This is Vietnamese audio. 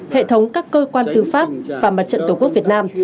hệ thống các cơ quan tư pháp và mặt trận tổ quốc việt nam